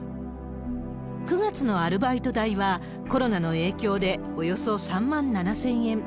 ９月のアルバイト代は、コロナの影響でおよそ３万７０００円。